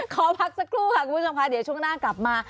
ขอพักสักครูครับคุณผู้ชม